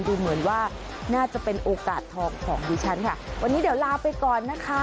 ดูเหมือนว่าน่าจะเป็นโอกาสทองของดิฉันค่ะวันนี้เดี๋ยวลาไปก่อนนะคะ